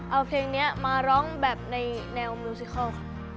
เอาเพลงนี้มาร้องแบบในแนวมิวซิคอลค่ะ